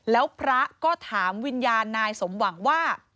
แล้วพระก็ถามวิญญาณนายสมหวังว่า